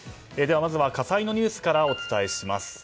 まずは火災のニュースからお伝えします。